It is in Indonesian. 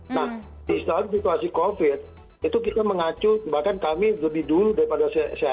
nah di dalam situasi covid itu kita mengacu bahkan kami lebih dulu daripada sehat